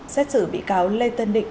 xét xử bị cáo lê tân định